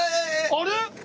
あれ！？